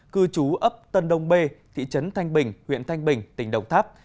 cư trú ấp tân đông bê thị trấn thanh bình huyện thanh bình tỉnh đồng tháp